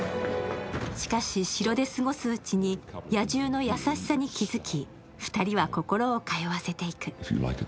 しかし、城で過ごすうちに野獣の優しさに気付き、２人は心を通わせていく。